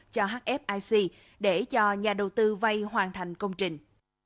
cho hfic để cho nhà đầu tư vay hoàn thành công trình